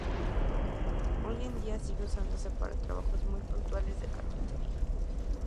Hoy en día sigue usándose para trabajos muy puntuales de carpintería.